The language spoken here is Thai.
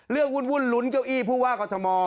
เรื่องวุ่นหลุ้นเก้าอี้ผู้ว่ากอธมมณ์